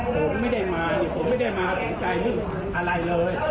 ผมไม่ได้มาผมไม่ได้มาติดใจอะไรเลย